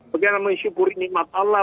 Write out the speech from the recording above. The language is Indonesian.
bagaimana menyukuri nikmat allah